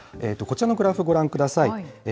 こちらのグラフ、ご覧ください。